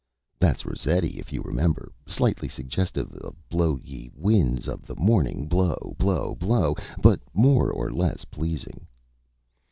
That's Rossetti, if you remember. Slightly suggestive of 'Blow Ye Winds of the Morning! Blow! Blow! Blow!' but more or less pleasing."